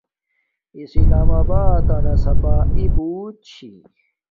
اسلام آباتنا صاپاݵی بوت چھی